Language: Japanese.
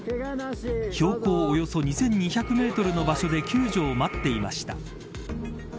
標高およそ２２００メートルの場所で救助を待っていました。